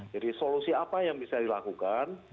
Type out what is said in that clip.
jadi solusi apa yang bisa dilakukan